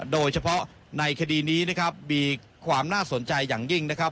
โดยเฉพาะในคดีนี้นะครับมีความน่าสนใจอย่างยิ่งนะครับ